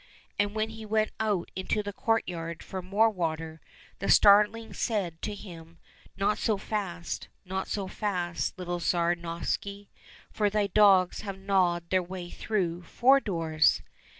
And when he went out into the courtyard for more water, the starling said to him, " Not so fast, not so fast, little Tsar Novishny, for thy dogs have gnawed their way through four doors